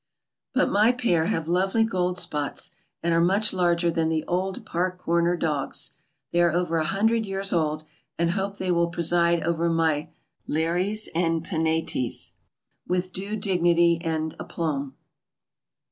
But my pair have lovely gold spots and are much larger than the old Park Comer dogs. They are over a hundred years old and hope they will preside over my Lares and Penates with due dignity and aplomb.